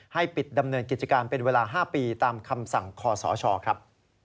ให้ปิดดำเนินกิจการเป็นเวลา๕ปีตามคำสั่งคอสชครับ